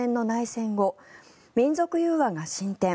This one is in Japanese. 戦後民族融和が進展。